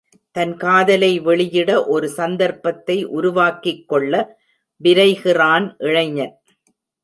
தன் காதலை வெளியிட ஒரு சந்தர்ப்பத்தை உருவாக்கிக் கொள்ள விரைகிறான் இளைஞன்.